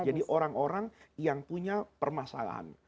jadi orang orang yang punya permasalahan